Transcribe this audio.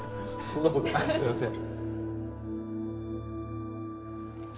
すいません